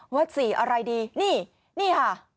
ว่า๔อะไรดีนี่นี่ค่ะ